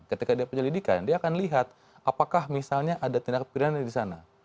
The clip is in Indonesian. ketika dia penyelidikan dia akan lihat apakah misalnya ada tindak pidana di sana